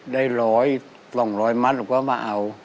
ได้๑๐๐๒๐๐มัตต์หนูก็มาเอา